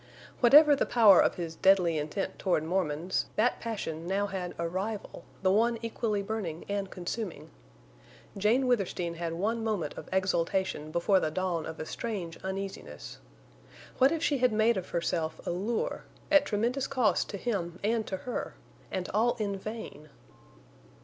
Whatever the power of his deadly intent toward Mormons, that passion now had a rival, the one equally burning and consuming. Jane Withersteen had one moment of exultation before the dawn of a strange uneasiness. What if she had made of herself a lure, at tremendous cost to him and to her, and all in vain!